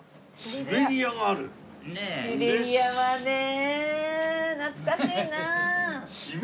シベリアはねえ懐かしいな。